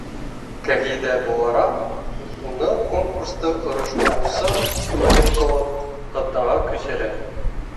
Ҡағиҙә булараҡ, уны конкурсты ойоштороусы тотоп ҡалып, ҡаҙнаға күсерә.